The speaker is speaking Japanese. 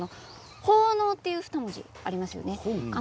効能という２文字がありますね。